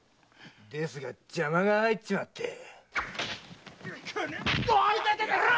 ですが邪魔が入っちまって。